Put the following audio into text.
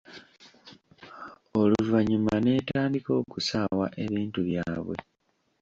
Oluvannyuma n'etandika okusaawa ebintu byabwe.